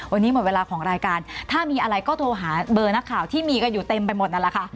วันนี้หมดเวลาของรายการถ้ามีอะไรก็โทรหาเบอร์นักข่าวที่มีกันอยู่เต็มไปหมดนั่นแหละค่ะ